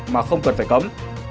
mà không cần phải cấm